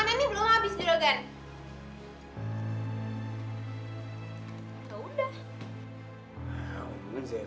makannya ini belum habis juragan